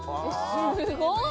すごい！